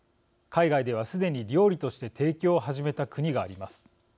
海外では、すでに料理として提供を始めた国があります。